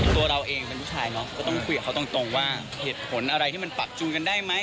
ตัวเราเองเป็นผู้ชายเนอะก็ต้องคุยกับเขาตรงว่าเหตุผลอะไรที่มันปรับจูนกันได้ไหม